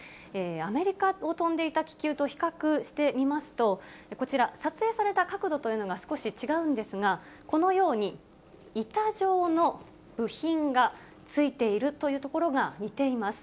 アメリカを飛んでいた気球と比較してみますと、こちら、撮影された角度というのが少し違うんですが、このように板状の部品が付いているというところが似ています。